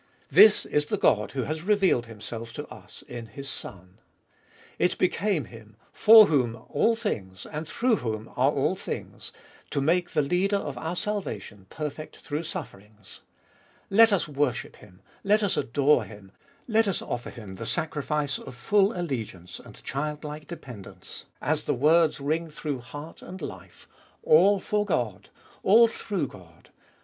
This is the God who has revealed Himself to us in His Son. It became Him, for whom all things and through whom are all things, to make the Leader of our salvation perfect through sufferings. Let us worship Him ! Let us adore Him ! Let us offer Him the sacrifice of full allegiance and child like dependence, as the words ring through heart and life — ALL FOR GOD ! ALL THROUGH GOD !